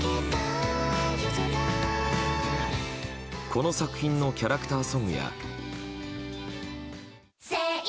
この作品のキャラクターソングや。